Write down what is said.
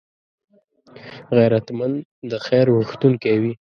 غیرتمند د خیر غوښتونکی وي